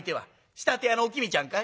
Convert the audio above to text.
仕立て屋のおきみちゃんかい？」。